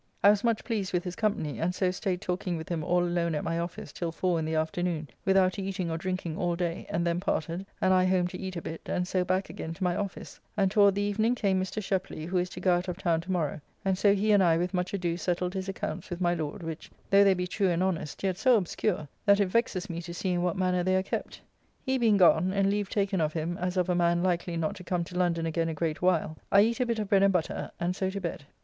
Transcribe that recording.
I was much pleased with his company, and so staid talking with him all alone at my office till 4 in the afternoon, without eating or drinking all day, and then parted, and I home to eat a bit, and so back again to my office; and toward the evening came Mr. Sheply, who is to go out of town to morrow, and so he and I with much ado settled his accounts with my Lord, which, though they be true and honest, yet so obscure, that it vexes me to see in what manner they are kept. He being gone, and leave taken of him as of a man likely not to come to London again a great while, I eat a bit of bread and butter, and so to bed.